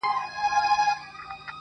جنتونه یې نصیب کي لویه ربه .